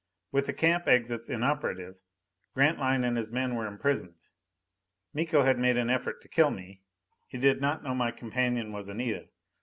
With the camp exits inoperative, Grantline and his men were imprisoned. Miko had made an effort to kill me. He did not know my companion was Anita.